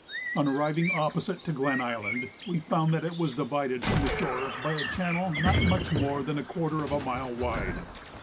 On arriving opposite to Glen Island, we found that it was divided from the shore by a channel not much more than a quarter of a mile wide.